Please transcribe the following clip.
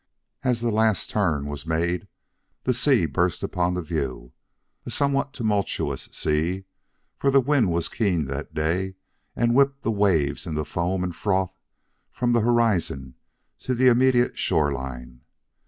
As the last turn was made, the sea burst upon the view a somewhat tumultuous sea, for the wind was keen that day and whipped the waves into foam and froth from the horizon to the immediate shore line.